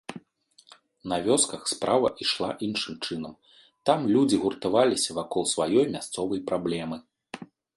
На вёсках справа ішла іншым чынам, там людзі гуртаваліся вакол сваёй мясцовай праблемы.